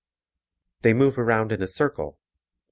They move around in a circle.